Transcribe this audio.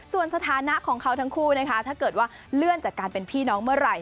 ส่วนสถานะของเขาทั้งคู่นะคะถ้าเกิดว่าเลื่อนจากการเป็นพี่น้องเมื่อไหร่